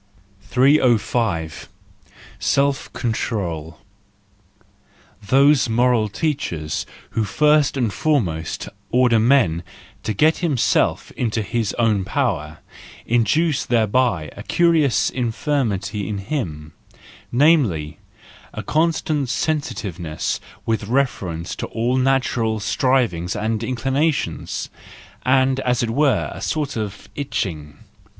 305 Self control — Those moral teachers who first and foremost order man to get himself into his own power, induce thereby a curious infirmity in him,—namely, a constant sensitiveness with refer¬ ence to all natural strivings and inclinations, and as it were, a sort of itching.